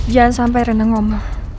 jangan sampai reneng oma